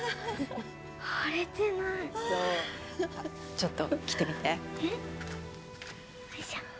ちょっと来てみて。